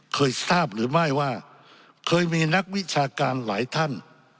เคยทราบหรือไม่ว่าเคยมีนักวิชาการหลายท่าน